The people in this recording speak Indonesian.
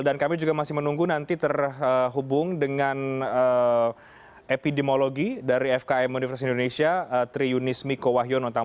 dan kami juga masih menunggu nanti terhubung dengan epidemiologi dari fkm universitas indonesia triunis miko wahyono